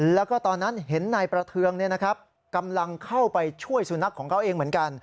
แล้วก็ตอนนั้นเห็นนายประเทืองกำลังเข้าไปช่วยสุนัขของเขาเองเหมือนกัน